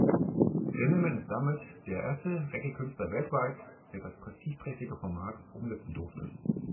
Gentleman ist damit der erste Reggae-Künstler weltweit, der das prestigeträchtige Format umsetzen durfte.